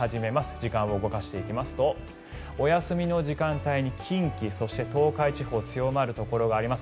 時間を動かしていきますとお休みの時間帯に、近畿そして、東海地方強まるところがあります。